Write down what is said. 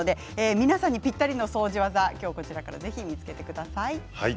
皆さんにぴったりの掃除技をこちらから見つけてください。